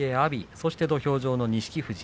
そして土俵上の錦富士。